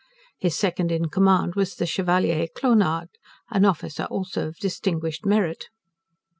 His second in command was the Chevalier Clonard, an officer also of distinguished merit.